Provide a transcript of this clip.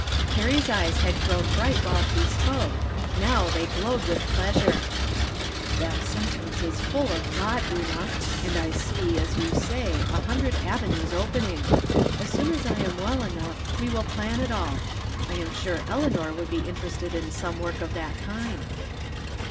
Perry's eyes had grown bright while she spoke, now they glowed with pleasure. " That sentence is full of thought, Una," he said, " and I see, as you say, a hundred avenues 120 From Different Standpoints. opening. As soon as I am ■well enough we will plan it aU. I am sure Eleanor would be inter ested in some work of that kind."